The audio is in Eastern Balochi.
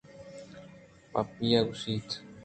پیپی ءَ گوٛشت